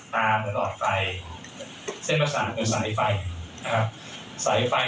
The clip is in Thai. ตาเหมือนหลอดไฟเส้นประสาทเหมือนสายไฟ